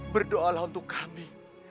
berdoa lah untuk kami